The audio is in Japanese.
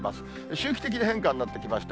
周期的に変化になってきました。